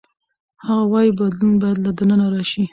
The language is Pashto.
هغه وايي بدلون باید له دننه راشي.